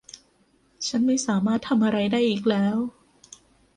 ฉันไม่สามารถทำอะไรได้อีกแล้ว